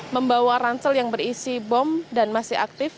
membawa ransel yang berisi bom dan masih aktif